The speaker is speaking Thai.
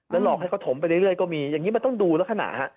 หลอกให้เขาถมไปเรื่อยก็มีอย่างนี้มันต้องดูลักษณะฮะ